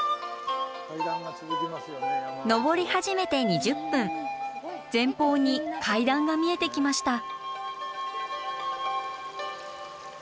登り始めて２０分前方に階段が見えてきました。